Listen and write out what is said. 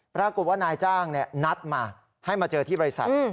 ปรากฏว่านายจ้างนัดมาให้มาเจอที่บริษัท